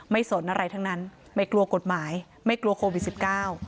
สนอะไรทั้งนั้นไม่กลัวกฎหมายไม่กลัวโควิดสิบเก้า